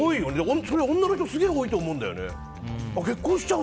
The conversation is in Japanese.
女の人すげえ多いと思うんだよね。